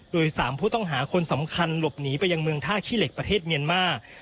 โดย๓ผู้ต้องหาคนสำคัญหลบหนีไปยังเมืองท่าขี้เหล็กประเทศเมียนมาร์